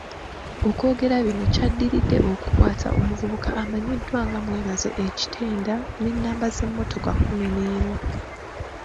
Okwogera bino kyadiridde okukwata omuvubuka amanyiddwa nga Mwebaze e Kitenda ne namba z'emmotoka kumi n'emu.